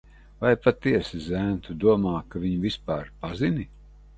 Vai patiesi, zēn, tu domā, ka viņu vispār pazini?